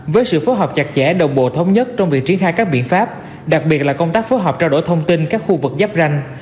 với sự phối hợp chặt chẽ đồng bộ thống nhất trong việc triển khai các biện pháp đặc biệt là công tác phối hợp trao đổi thông tin các khu vực giáp ranh